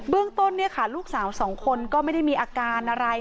เบื้องต้นเนี่ยค่ะลูกสาวสองคนก็ไม่ได้มีอาการอะไร